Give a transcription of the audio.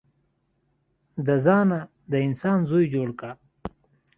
د ځانه د انسان زوی جوړ که.